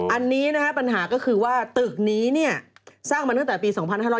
อันนี้ปัญหาก็คือว่าตึกนี้สร้างมาตั้งแต่ปี๒๕๒๕